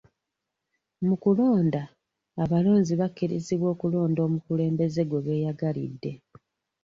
Mu kulonda, abalonzi bakkirizibwa okulonda omukulembeze gwe beyagalidde.